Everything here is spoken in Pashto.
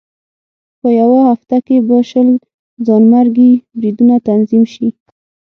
په یوه هفته کې به شل ځانمرګي بریدونه تنظیم شي.